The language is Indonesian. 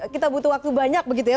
kita butuh waktu banyak begitu ya